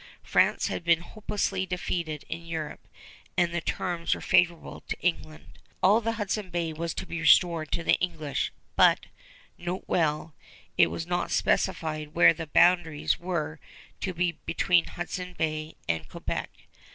France had been hopelessly defeated in Europe, and the terms were favorable to England. All of Hudson Bay was to be restored to the English; but note well it was not specified where the boundaries were to be between Hudson Bay and Quebec.